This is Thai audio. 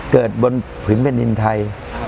เกิดบนผิมเป็นดินไทย